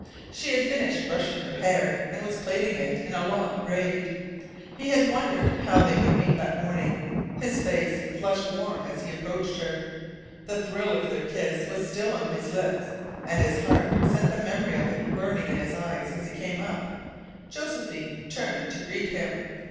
She had finished brushing her hair, and was plaiting it in a long braid. He had wondered how they would meet that morning. His face flushed warm as he approached her. The thrill of their kiss was still on his lips, and his heart sent the memory of it burning in his eyes as he came up, Josephine turned to greet him.